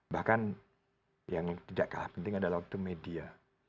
bahkan yang tidak kalah penting adalah waktu media